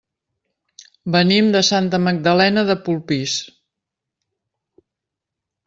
Venim de Santa Magdalena de Polpís.